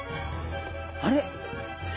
あれ？